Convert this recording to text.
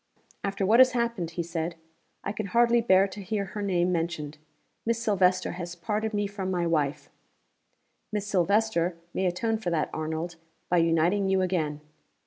"After what has happened," he said, "I can hardly bear to hear her name mentioned. Miss Silvester has parted me from my wife." "Miss Silvester may atone for that, Arnold, by uniting you again."